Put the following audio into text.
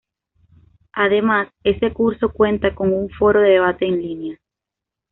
Además, ese curso cuenta con un foro de debate en línea.